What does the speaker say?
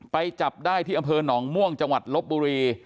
จับได้ที่อำเภอหนองม่วงจังหวัดลบบุรี